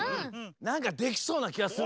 なんかできそうなきがする。